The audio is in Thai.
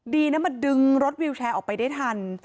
ดีนะมาดึงรถวิวแชร์ออกไปได้ทัน